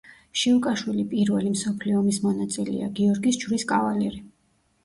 შიუკაშვილი პირველი მსოფლიო ომის მონაწილეა, გიორგის ჯვრის კავალერი.